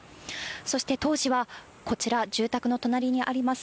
そして当時は、こちら、住宅の隣にあります